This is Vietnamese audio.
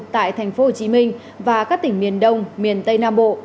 tại tp hcm và các tỉnh miền đông miền tây nam bộ